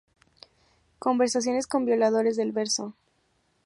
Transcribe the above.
Conversaciones con Violadores del Verso".